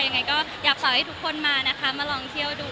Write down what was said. ยังไงก็อยากขอให้ทุกคนมานะคะมาลองเที่ยวดู